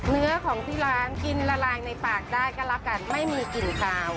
เนื้อของที่ร้านกินละลายในปากได้ก็แล้วกันไม่มีกลิ่นคาว